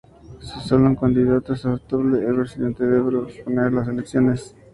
Si solo un candidato es aceptable, el presidente debe posponer las elecciones.